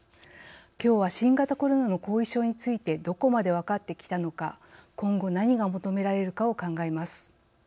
きょうは新型コロナの後遺症についてどこまで分かってきたのか今後何が求められるかを考えます。